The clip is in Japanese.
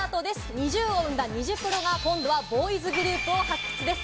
ＮｉｚｉＵを生んだニジプロが、今度はボーイズグループを発掘です。